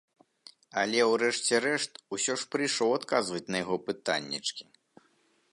Але ў рэшце рэшт усё ж прыйшоў адказваць на яго пытаннечкі.